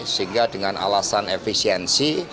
sehingga dengan alasan efisiensi